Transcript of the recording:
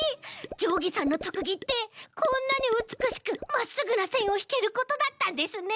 じょうぎさんのとくぎってこんなにうつくしくまっすぐなせんをひけることだったんですね！